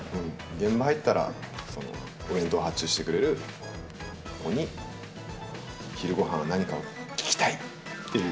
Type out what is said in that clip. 現場入ったら、お弁当発注してくれる子に、昼ごはんは何か、聞きたいっていう。